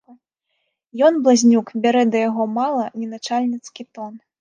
Ён, блазнюк, бярэ да яго мала не начальніцкі тон.